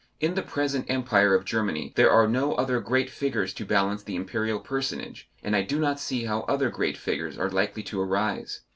In the present Empire of Germany there are no other great figures to balance the Imperial personage, and I do not see how other great figures are likely to arise.